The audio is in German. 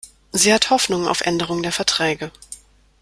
Sie hat Hoffnung auf Änderung der Verträge.